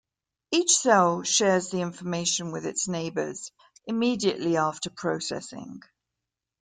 Each cell shares the information with its neighbors immediately after processing.